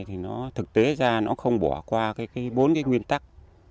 thì nó thực tế ra nó không bỏ qua cái bốn cái nguyên tắc